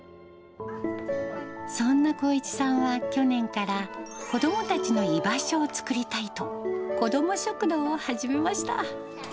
そんな航一さんは去年から、子どもたちの居場所を作りたいと、子ども食堂を始めました。